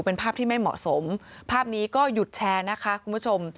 เป็นภาพที่ไม่เหมาะสมภาพนี้ก็หยุดแชร์นะคะคุณผู้ชม